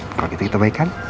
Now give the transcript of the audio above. kalau gitu kita baikan